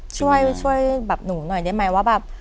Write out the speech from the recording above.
ช่วยช่วยแบบหนูหน่อยได้ไหมว่าแบบ